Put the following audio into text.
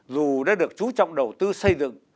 dù đã được chú trọng đầu tư xây dựng